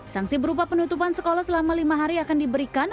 sanksi berupa penutupan sekolah selama lima hari akan diberikan